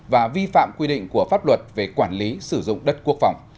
và vi phạm quy định của pháp luật về quản lý sử dụng đất quốc phòng